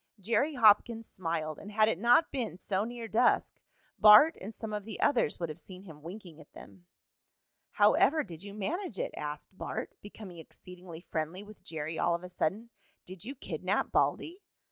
Jerry Hopkins smiled, and had it not been so near dusk Bart and some of the others would have seen him winking at them. "How ever did you manage it?" asked Bart, becoming exceedingly friendly with Jerry all of a sudden. "Did you kidnap Baldy?"